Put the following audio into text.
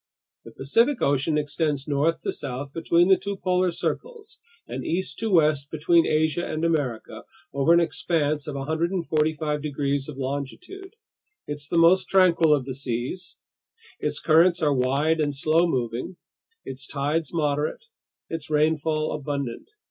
The Pacific Ocean extends north to south between the two polar circles and east to west between America and Asia over an expanse of 145 degrees of longitude. It's the most tranquil of the seas; its currents are wide and slow moving, its tides moderate, its rainfall abundant.